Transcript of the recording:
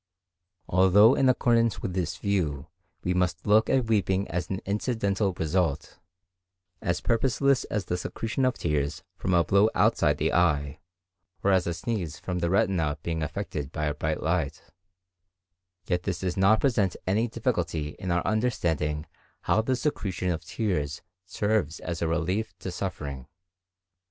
Although in accordance with this view we must look at weeping as an incidental result, as purposeless as the secretion of tears from a blow outside the eye, or as a sneeze from the retina being affected by a bright light, yet this does not present any difficulty in our understanding how the secretion of tears serves as a relief to suffering.